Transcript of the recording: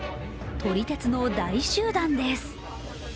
撮り鉄の大集団です。